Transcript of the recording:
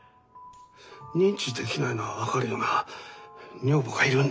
認知できないのは分かるよな女房がいるんだから。